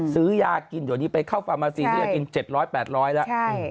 ซื้อยากินตอนนี้ไปเข้าฟาร์มาสีซื้อยากิน๗๐๐๘๐๐บาทแล้ว